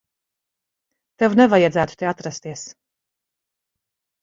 Tev nevajadzētu te atrasties.